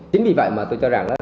chính vì vậy mà tôi cho rằng